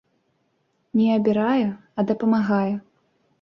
Не абірае, а дапамагае.